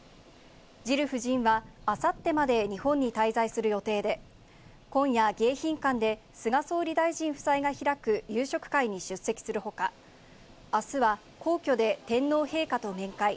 ジル夫人は、あさってまで日本に滞在する予定で、今夜、迎賓館で菅総理大臣夫妻が開く夕食会に出席するほか、あすは皇居で天皇陛下と面会。